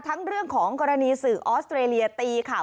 เรื่องของกรณีสื่อออสเตรเลียตีค่ะ